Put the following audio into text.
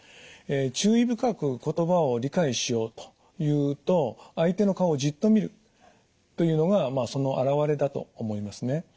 注意深く言葉を理解しようというと相手の顔をじっと見るというのがまあその表れだと思いますね。